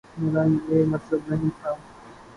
میرا یہ مطلب نہیں تھا۔